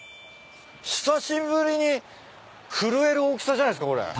久しぶりに震える大きさじゃないっすかこれ。